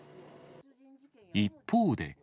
一方で。